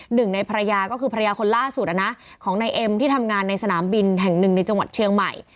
หนึ่งในภรรยาก็คือภรรยาคนล่าสุดของนายเอ็มที่ทำงานในสนามบินแห่งหนึ่งในจังหวัดเชียงใหม่